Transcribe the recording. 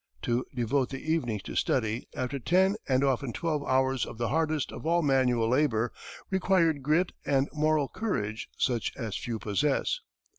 To devote the evenings to study, after ten and often twelve hours of the hardest of all manual labor, required grit and moral courage such as few possess.